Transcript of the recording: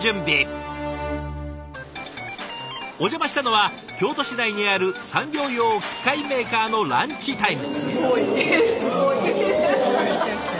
お邪魔したのは京都市内にある産業用機械メーカーのランチタイム。